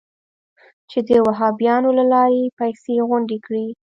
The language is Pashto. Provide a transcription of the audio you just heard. چې د وهابیانو له لارې پیسې غونډې کړي.